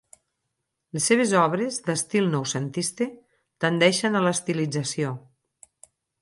Les seves obres, d'estil noucentista, tendeixen a l'estilització.